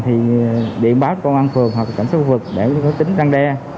thì điện báo công an phường